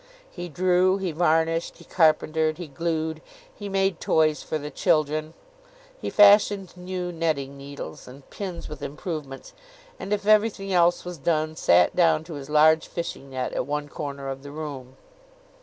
He drew, he varnished, he carpentered, he glued; he made toys for the children; he fashioned new netting needles and pins with improvements; and if everything else was done, sat down to his large fishing net at one corner of the room.